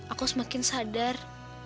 aku semakin sadar